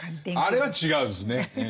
あれは違うんですね。